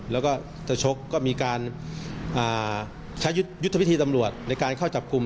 แล้วก็จะชกก็มีการใช้ยุทธวิธีตำรวจในการเข้าจับกลุ่ม